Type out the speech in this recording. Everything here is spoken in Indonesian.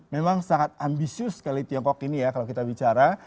memang sangat ambisius sekali tiongkok ini ya kalau kita bicara